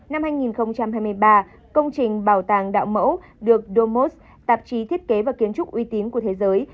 năm hai nghìn hai mươi ba công trình bảo tàng đạo mẫu được domos tạp chí thiết kế và kiến trúc uy tín của thế giới